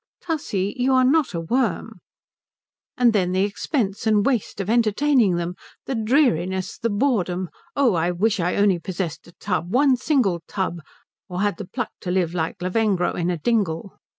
"Tussle, you are not a worm." "And then the expense and waste of entertaining them the dreariness, the boredom oh, I wish I only possessed a tub one single tub or had the pluck to live like Lavengro in a dingle."